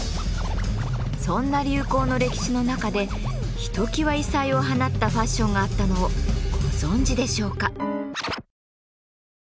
そんな流行の歴史の中でひときわ異彩を放ったファッションがあったのをご存じでしょうか？